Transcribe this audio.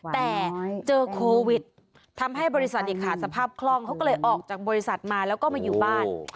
แต่เจอโควิดทำให้บริษัทอีกขาดสภาพคล่องเขาก็เลยออกจากบริษัทมาแล้วก็มาอยู่บ้าน